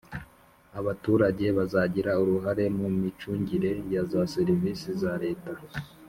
abaturage bazagira uruhare mu micungire ya za serivisi za leta